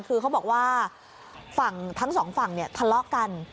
คือเขาบอกว่าฝั่งทั้งสองฝั่งเนี่ยทะเลาะกัน